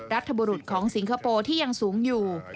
บุรุษของสิงคโปร์ที่ยังสูงอยู่